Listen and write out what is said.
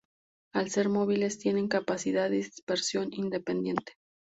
Al ser móviles tienen capacidad de dispersión independiente.